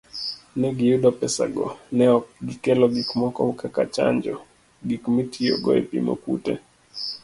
Ne giyudo pesago, ni neok gikelo gikmoko kaka chanjo, gik mitiyogo epimo kute